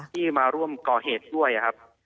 ที่มาร่วมก่อเหตุด้วยครับ